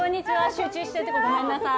集中してるとこごめんなさい。